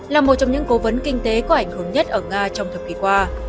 là một trong những cố vấn kinh tế có ảnh hưởng nhất ở nga trong thập kỷ qua